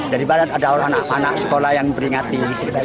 dari barat ada anak sekolah yang beringati